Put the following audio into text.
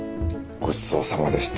ごちそうさまでした。